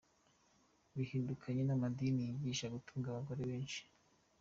Bitandukanye n’amadini yigisha gutunga abagore benshi.